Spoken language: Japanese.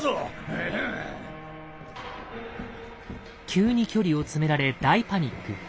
急に距離を詰められ大パニック。